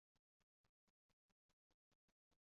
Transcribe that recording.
Mi estas tiel juna!